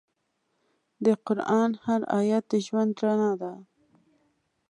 د قرآن هر آیت د ژوند رڼا ده.